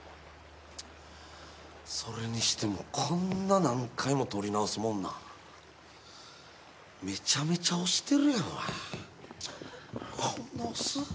それにしてもこんな何回も撮り直すもんなんメチャメチャ押してるやんわチッこんな押す？